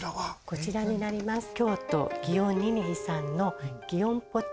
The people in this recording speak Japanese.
こちらになります京都・園。